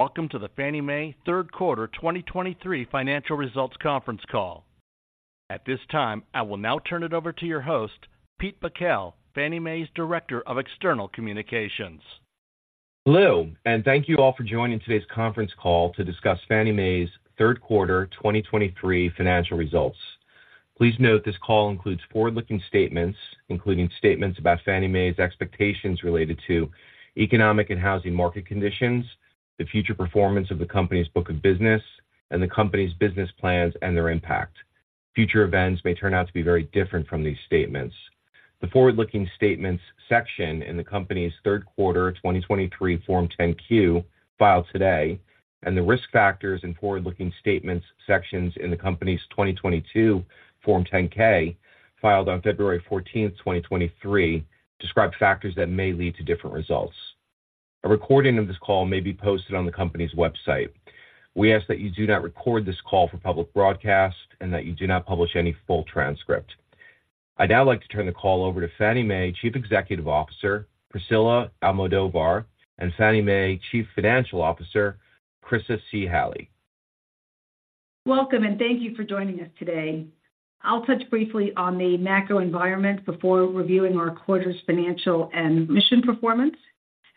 Welcome to the Fannie Mae Third Quarter 2023 financial results conference call. At this time, I will now turn it over to your host, Pete Bakel, Fannie Mae's Director of External Communications. Hello, and thank you all for joining today's conference call to discuss Fannie Mae's third quarter 2023 financial results. Please note, this call includes forward-looking statements, including statements about Fannie Mae's expectations related to economic and housing market conditions, the future performance of the Company's book of business, and the Company's business plans and their impact. Future events may turn out to be very different from these statements. The forward-looking statements section in the Company's third quarter 2023 Form 10-Q, filed today, and the risk factors and forward-looking statements sections in the Company's 2022 Form 10-K, filed on February 14, 2023, describe factors that may lead to different results. A recording of this call may be posted on the Company's website. We ask that you do not record this call for public broadcast and that you do not publish any full transcript. I'd now like to turn the call over to Fannie Mae Chief Executive Officer, Priscilla Almodovar, and Fannie Mae Chief Financial Officer, Chryssa C. Halley. Welcome, and thank you for joining us today. I'll touch briefly on the macro environment before reviewing our quarter's financial and mission performance.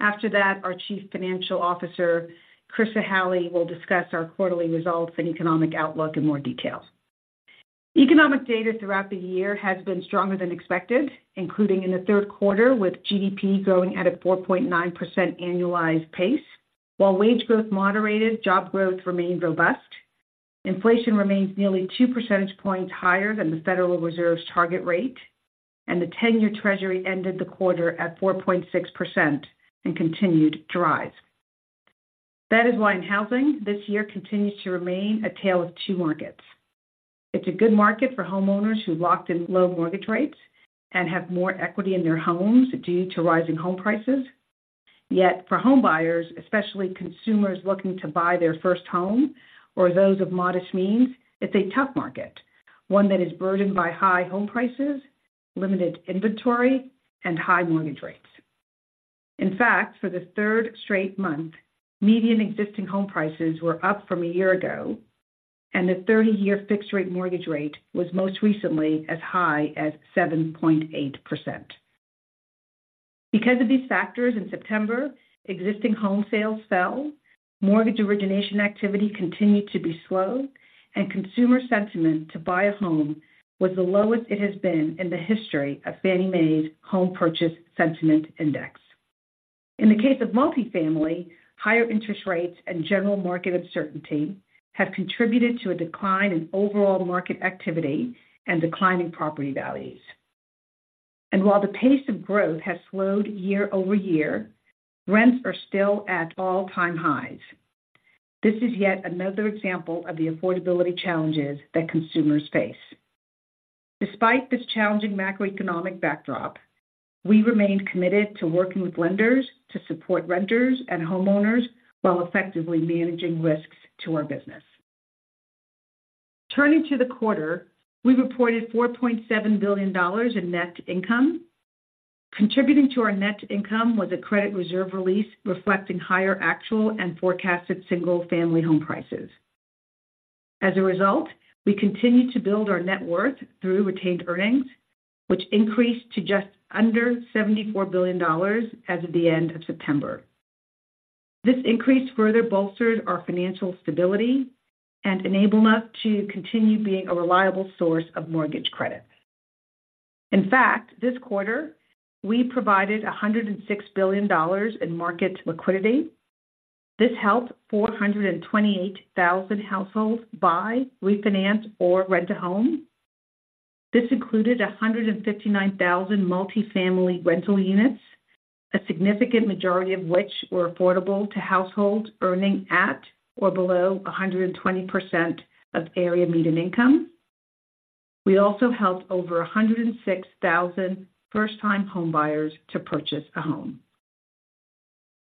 After that, our Chief Financial Officer, Chryssa Halley, will discuss our quarterly results and economic outlook in more detail. Economic data throughout the year has been stronger than expected, including in the third quarter, with GDP growing at a 4.9% annualized pace. While wage growth moderated, job growth remained robust. Inflation remains nearly two percentage points higher than the Federal Reserve's target rate, and the 10-year Treasury ended the quarter at 4.6% and continued to rise. That is why in housing, this year continues to remain a tale of two markets. It's a good market for homeowners who locked in low mortgage rates and have more equity in their homes due to rising home prices. Yet for homebuyers, especially consumers looking to buy their first home or those of modest means, it's a tough market, one that is burdened by high home prices, limited inventory, and high mortgage rates. In fact, for the third straight month, median existing home prices were up from a year ago, and the 30-year fixed-rate mortgage rate was most recently as high as 7.8%. Because of these factors in September, existing home sales fell, mortgage origination activity continued to be slow, and consumer sentiment to buy a home was the lowest it has been in the history of Fannie Mae's Home Purchase Sentiment Index. In the case of multifamily, higher interest rates and general market uncertainty have contributed to a decline in overall market activity and declining property values. While the pace of growth has slowed year-over-year, rents are still at all-time highs. This is yet another example of the affordability challenges that consumers face. Despite this challenging macroeconomic backdrop, we remain committed to working with lenders to support renters and homeowners while effectively managing risks to our business. Turning to the quarter, we reported $4.7 billion in net income. Contributing to our net income was a credit reserve release, reflecting higher actual and forecasted single-family home prices. As a result, we continued to build our net worth through retained earnings, which increased to just under $74 billion as of the end of September. This increase further bolstered our financial stability and enabled us to continue being a reliable source of mortgage credit. In fact, this quarter, we provided $106 billion in market liquidity. This helped 428,000 households buy, refinance, or rent a home. This included 159,000 multifamily rental units, a significant majority of which were affordable to households earning at or below 120% of Area Median Income. We also helped over 106,000 first-time homebuyers to purchase a home.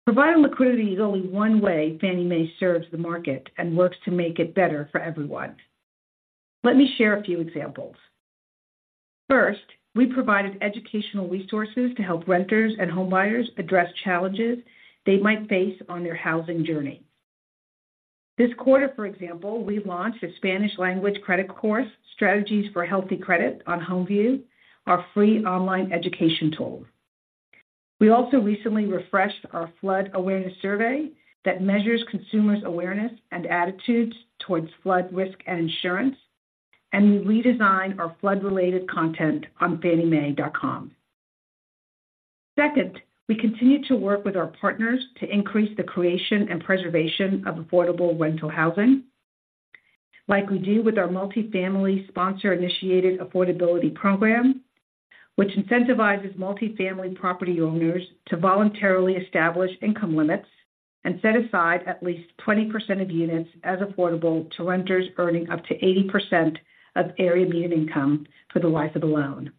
Providing liquidity is only one way Fannie Mae serves the market and works to make it better for everyone. Let me share a few examples. First, we provided educational resources to help renters and homebuyers address challenges they might face on their housing journey. This quarter, for example, we launched a Spanish language credit course, Strategies for Healthy Credit on HomeView, our free online education tool. We also recently refreshed our flood awareness survey that measures consumers' awareness and attitudes towards flood risk and insurance, and we redesigned our flood-related content on fanniemae.com. Second, we continued to work with our partners to increase the creation and preservation of affordable rental housing, like we do with our multifamily Sponsor-Initiated Affordability program, which incentivizes multifamily property owners to voluntarily establish income limits and set aside at least 20% of units as affordable to renters earning up to 80% of Area Median Income for the life of the loan.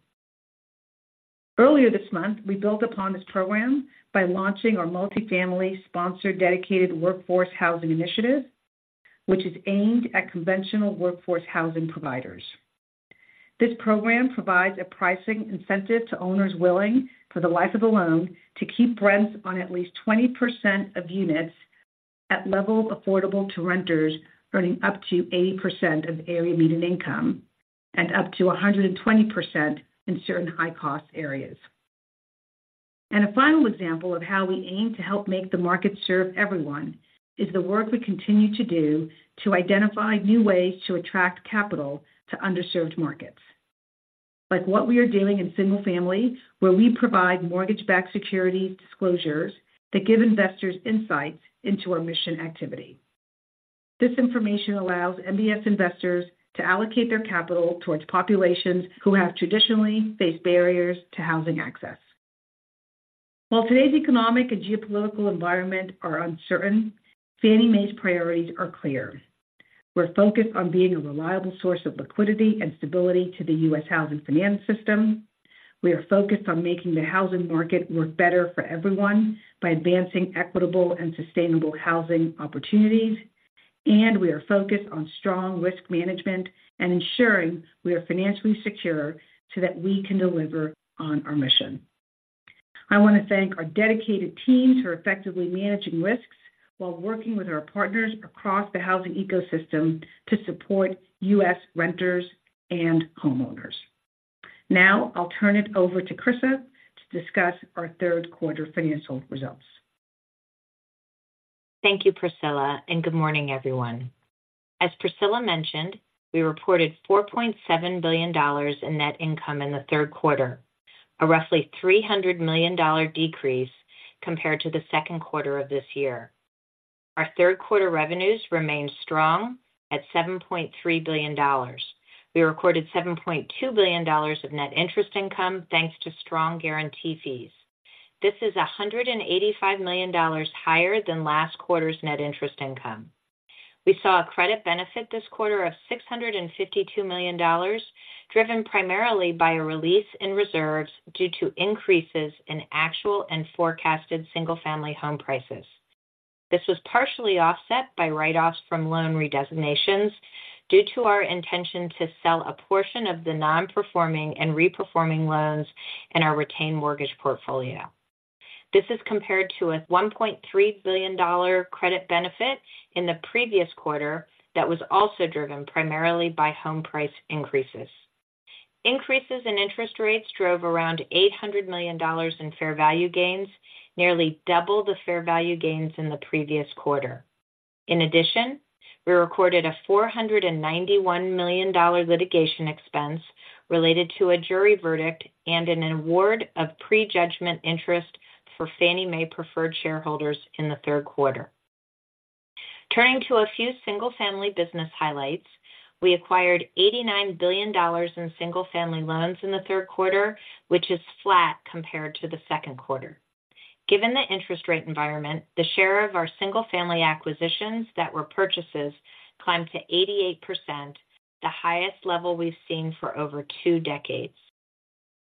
Earlier this month, we built upon this program by launching our multifamily Sponsor-Dedicated Workforce housing initiative, which is aimed at conventional workforce housing providers. This program provides a pricing incentive to owners willing, for the life of the loan, to keep rents on at least 20% of units at levels affordable to renters earning up to 80% of the Area Median Income, and up to 120% in certain high-cost areas. A final example of how we aim to help make the market serve everyone is the work we continue to do to identify new ways to attract capital to underserved markets. Like what we are doing in single-family, where we provide mortgage-backed security disclosures that give investors insights into our mission activity. This information allows MBS investors to allocate their capital towards populations who have traditionally faced barriers to housing access. While today's economic and geopolitical environment are uncertain, Fannie Mae's priorities are clear. We're focused on being a reliable source of liquidity and stability to the U.S. housing finance system. We are focused on making the housing market work better for everyone by advancing equitable and sustainable housing opportunities. We are focused on strong risk management and ensuring we are financially secure so that we can deliver on our mission. I want to thank our dedicated teams who are effectively managing risks while working with our partners across the housing ecosystem to support U.S. renters and homeowners. Now I'll turn it over to Chryssa to discuss our third quarter financial results. Thank you, Priscilla, and good morning, everyone. As Priscilla mentioned, we reported $4.7 billion in net income in the third quarter, a roughly $300 million decrease compared to the second quarter of this year. Our third quarter revenues remained strong at $7.3 billion. We recorded $7.2 billion of net interest income, thanks to strong guarantee fees. This is $185 million higher than last quarter's net interest income. We saw a credit benefit this quarter of $652 million, driven primarily by a release in reserves due to increases in actual and forecasted single-family home prices. This was partially offset by write-offs from loan redesignations due to our intention to sell a portion of the non-performing and re-performing loans in our retained mortgage portfolio. This is compared to a $1.3 billion credit benefit in the previous quarter that was also driven primarily by home price increases. Increases in interest rates drove around $800 million in fair value gains, nearly double the fair value gains in the previous quarter. In addition, we recorded a $491 million litigation expense related to a jury verdict and an award of prejudgment interest for Fannie Mae preferred shareholders in the third quarter. Turning to a few single-family business highlights, we acquired $89 billion in single-family loans in the third quarter, which is flat compared to the second quarter. Given the interest rate environment, the share of our single-family acquisitions that were purchases climbed to 88%, the highest level we've seen for over two decades.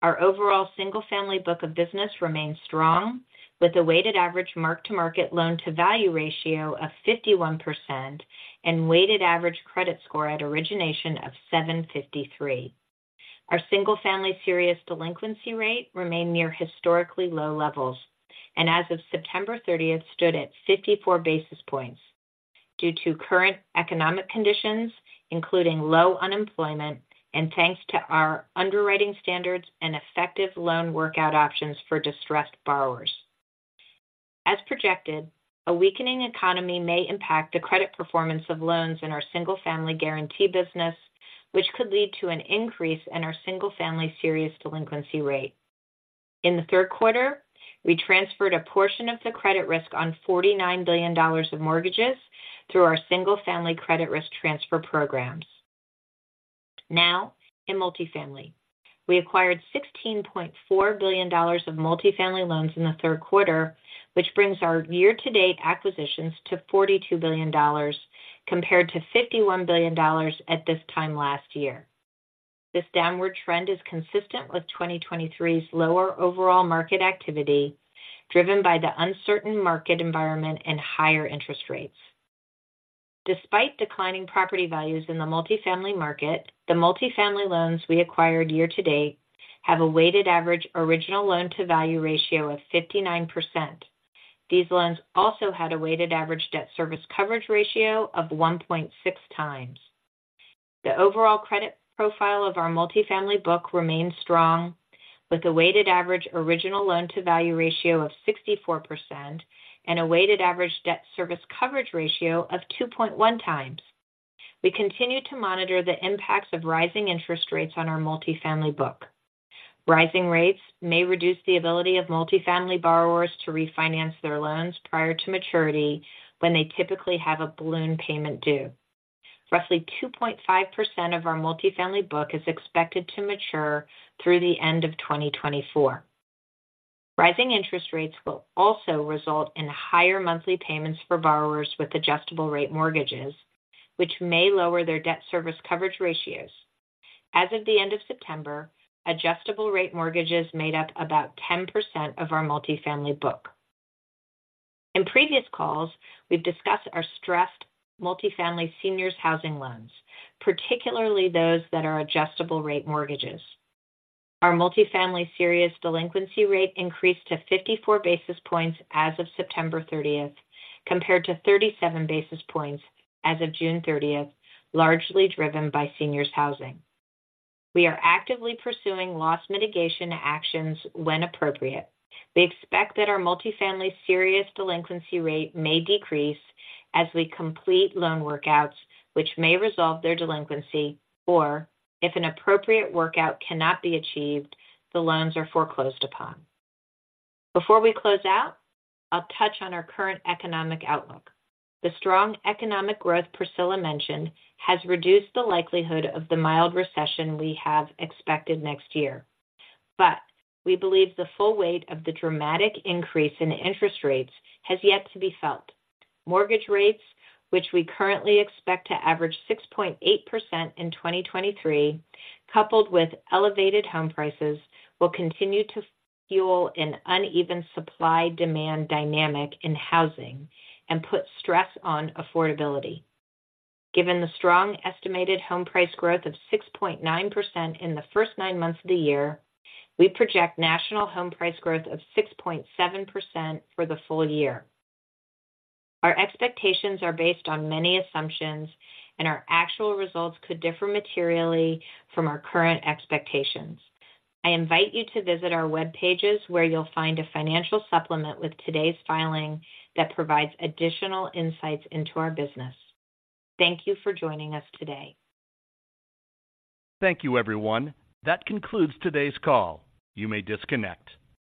Our overall single-family book of business remains strong, with a weighted average mark-to-market loan-to-value ratio of 51% and weighted average credit score at origination of 753. Our single-family serious delinquency rate remained near historically low levels, and as of September 30th, stood at 54 basis points due to current economic conditions, including low unemployment and thanks to our underwriting standards and effective loan workout options for distressed borrowers. As projected, a weakening economy may impact the credit performance of loans in our single-family guarantee business, which could lead to an increase in our single-family serious delinquency rate. In the third quarter, we transferred a portion of the credit risk on $49 billion of mortgages through our single-family credit risk transfer programs. Now, in multifamily, we acquired $16.4 billion of multifamily loans in the third quarter, which brings our year-to-date acquisitions to $42 billion, compared to $51 billion at this time last year. This downward trend is consistent with 2023's lower overall market activity, driven by the uncertain market environment and higher interest rates. Despite declining property values in the multifamily market, the multifamily loans we acquired year to date have a weighted average original loan-to-value ratio of 59%. These loans also had a weighted average debt-service coverage ratio of 1.6x. The overall credit profile of our multifamily book remains strong, with a weighted average original loan-to-value ratio of 64% and a weighted average debt-service coverage ratio of 2.1x. We continue to monitor the impacts of rising interest rates on our multifamily book. Rising rates may reduce the ability of multifamily borrowers to refinance their loans prior to maturity, when they typically have a balloon payment due. Roughly 2.5% of our multifamily book is expected to mature through the end of 2024. Rising interest rates will also result in higher monthly payments for borrowers with adjustable-rate mortgages, which may lower their debt service coverage ratios. As of the end of September, adjustable-rate mortgages made up about 10% of our multifamily book.... In previous calls, we've discussed our stressed multifamily seniors housing loans, particularly those that are adjustable-rate mortgages. Our multifamily Serious Delinquency Rate increased to 54 basis points as of September 30th, compared to 37 basis points as of June thirtieth, largely driven by seniors housing. We are actively pursuing loss mitigation actions when appropriate. We expect that our multifamily serious delinquency rate may decrease as we complete loan workouts, which may resolve their delinquency, or if an appropriate workout cannot be achieved, the loans are foreclosed upon. Before we close out, I'll touch on our current economic outlook. The strong economic growth Priscilla mentioned has reduced the likelihood of the mild recession we have expected next year. But we believe the full weight of the dramatic increase in interest rates has yet to be felt. Mortgage rates, which we currently expect to average 6.8% in 2023, coupled with elevated home prices, will continue to fuel an uneven supply-demand dynamic in housing and put stress on affordability. Given the strong estimated home price growth of 6.9% in the first nine months of the year, we project national home price growth of 6.7% for the full year. Our expectations are based on many assumptions, and our actual results could differ materially from our current expectations. I invite you to visit our web pages, where you'll find a financial supplement with today's filing that provides additional insights into our business. Thank you for joining us today. Thank you, everyone. That concludes today's call. You may disconnect.